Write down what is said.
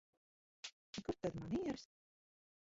Kur tad manieres?